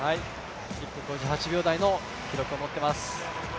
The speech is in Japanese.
１分５８秒台の記録を持っています。